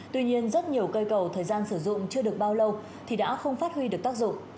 tuy nhiên rất nhiều cây cầu thời gian sử dụng chưa được bao lâu thì đã không phát huy được tác dụng